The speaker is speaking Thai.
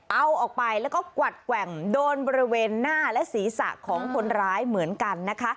เอาออกไปแล้วก็กวัดแกว่งโดนบริเวณหน้าและศีรษะของคนร้ายเหมือนกันนะคะ